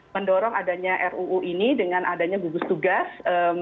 mendorong adanya ruu ini dengan adanya gugus tugas